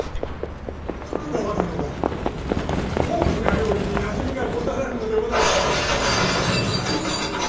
徳川殿は高貴な料理になじみがござらぬのでございましょう。